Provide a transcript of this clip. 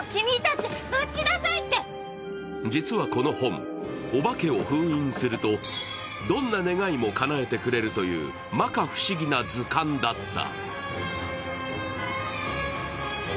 実はこの本、オバケを封印するとどんな願いもかなえてくれるというまか不思議な図鑑だった。